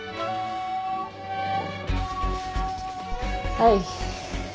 はい。